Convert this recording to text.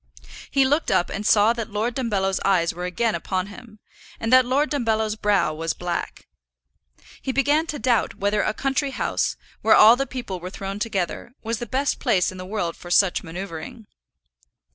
He looked up and saw that Lord Dumbello's eyes were again upon him, and that Lord Dumbello's brow was black. He began to doubt whether a country house, where all the people were thrown together, was the best place in the world for such manoeuvring.